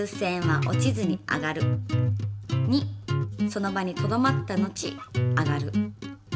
２その場にとどまった後上がる。